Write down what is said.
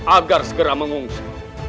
agar segera mengungsi